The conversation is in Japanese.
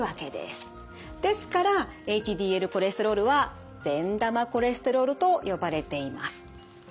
ですからＨＤＬコレステロールは善玉コレステロールと呼ばれています。